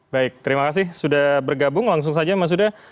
baik terima kasih sudah bergabung langsung saja mas huda